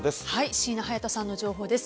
椎名隼都さんの情報です。